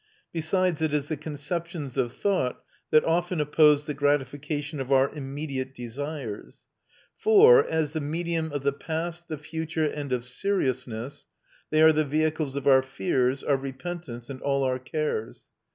Besides, it is the conceptions of thought that often oppose the gratification of our immediate desires, for, as the medium of the past, the future, and of seriousness, they are the vehicle of our fears, our repentance, and all our cares.